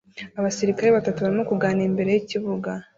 Abasirikare batatu barimo kuganira imbere yikibuga